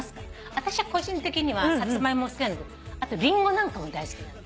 私は個人的にはサツマイモも好きなんだけどリンゴなんかも大好き。